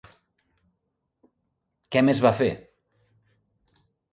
Què més va fer?